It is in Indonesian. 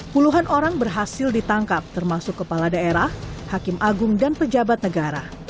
puluhan orang berhasil ditangkap termasuk kepala daerah hakim agung dan pejabat negara